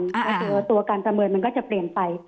แต่ตัวการประเมินมันก็จะเปลี่ยนไป